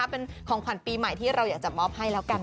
เป็นของขวัญปีใหม่ที่เราอยากจะมอบให้แล้วกัน